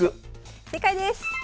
正解です！